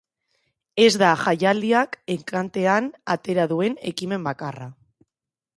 Ez da jaialdiak enkantean atera duen ekimen bakarra.